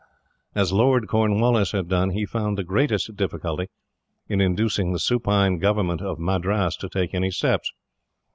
As Lord Cornwallis had done, he found the greatest difficulty in inducing the supine government of Madras to take any steps.